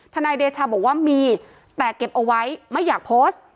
นายเดชาบอกว่ามีแต่เก็บเอาไว้ไม่อยากโพสต์